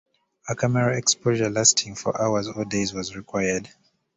A camera exposure lasting for hours or days was required.